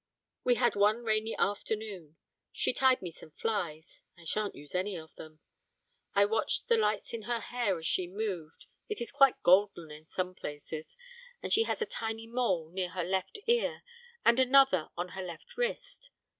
We had one rainy afternoon; she tied me some flies (I shan't use any of them); I watched the lights in her hair as she moved, it is quite golden in some places, and she has a tiny mole near her left ear and another on her left wrist.